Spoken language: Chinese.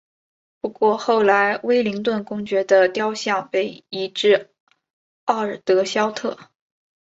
不过后来威灵顿公爵的雕像被移至奥尔德肖特。